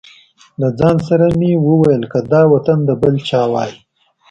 له ځان سره مې وویل که دا وطن د بل چا وای.